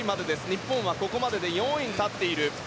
日本はここまでで４位に立っています。